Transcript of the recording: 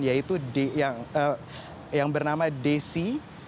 yaitu yang bernama desi